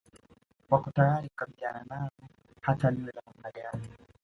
Wako tayari kukabiliana nalo hata liwe la namna gani